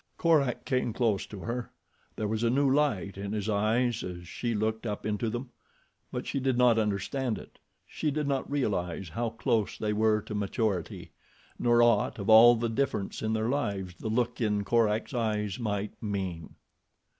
Korak came close to her. There was a new light in his eyes as she looked up into them; but she did not understand it. She did not realize how close they were to maturity, nor aught of all the difference in their lives the look in Korak's eyes might mean.